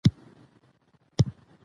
په افغانستان کې ژبې ډېر اهمیت لري.